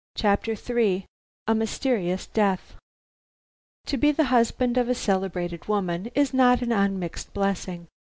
CHAPTER III A MYSTERIOUS DEATH To be the husband of a celebrated woman is not an unmixed blessing.